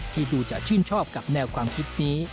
ที่ดูจะชื่นชอบกับแนวความคิดนี้